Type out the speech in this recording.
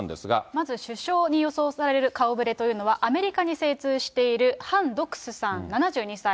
まず首相に予想される顔ぶれというのは、アメリカに精通しているハン・ドクスさん７２歳。